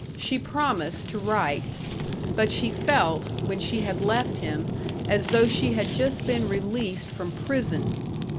She promised to write. But she felt, when she had left him, as though she had just been released from prison.